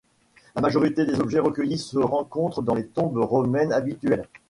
La majorité des objets recueillis se rencontrent dans les tombes romaines habituelles.